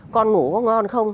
con ngủ có ngon không